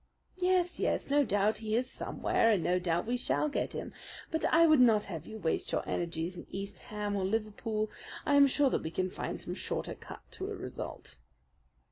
"Yes, yes, no doubt he is somewhere, and no doubt we shall get him; but I would not have you waste your energies in East Ham or Liverpool. I am sure that we can find some shorter cut to a result."